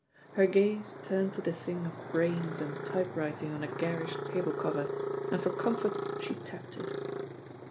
Her gaze turned to the thing of brains and typewriting on a garish table cover, and for comfort she tapped it.